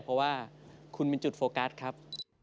เพราะว่าคุณเป็นจุดโฟกัสครับ